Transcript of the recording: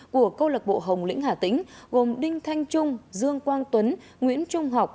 của câu lạc bộ hồng lĩnh hà tĩnh gồm đinh thanh trung dương quang tuấn nguyễn trung học